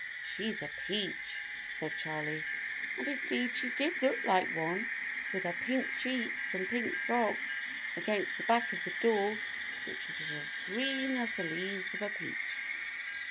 "She's a peach," said Charley. And indeed she did look like one, with her pink cheeks and pink frock, against the background of the door, which was as green as the leaves of a peach.